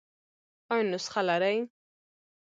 ایا نسخه لرئ؟